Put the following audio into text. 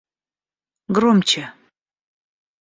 Громче